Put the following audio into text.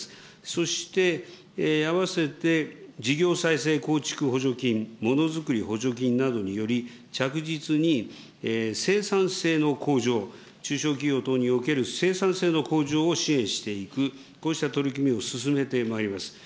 そしてあわせて事業再生構築補助金、ものづくり補助金などにより、着実に生産性の向上、中小企業等における生産性の向上を支援していく、こうした取り組みを進めてまいります。